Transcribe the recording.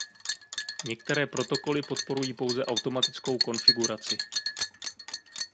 Některé protokoly podporují pouze automatickou konfiguraci.